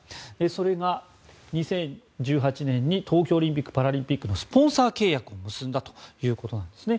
それが、２０１８年に東京オリンピック・パラリンピックのスポンサー契約を結んだということなんですね。